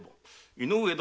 井上殿。